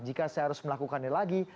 jika saya harus melakukannya lagi